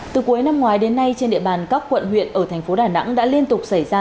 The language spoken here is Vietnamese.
từ cuối năm ngoái đến nay trên địa bàn các quận huyện ở thành phố đà nẵng đã liên tục xảy ra